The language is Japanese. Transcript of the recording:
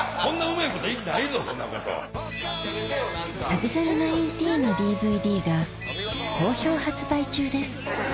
『旅猿１９』のＤＶＤが好評発売中です